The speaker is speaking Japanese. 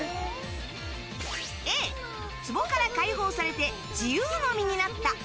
Ａ、壺から解放されて自由の身になった。